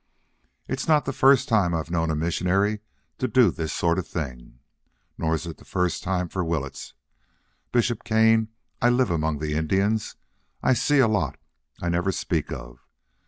It's not the first time I've known a missionary to do this sort of thing. Nor is it the first time for Willetts. Bishop Kane, I live among the Indians. I see a lot I never speak of.